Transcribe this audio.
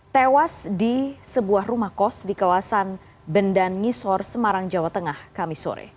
tewas di sebuah rumah kos di kawasan bendan ngisor semarang jawa tengah kamisore